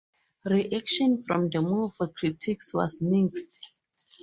Reaction from the movie critics was mixed.